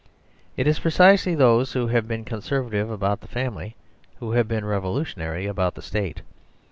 It is precisely those who have been conservative about the family who have been revolutionary about the state.